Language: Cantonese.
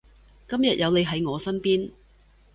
今日有你喺我身邊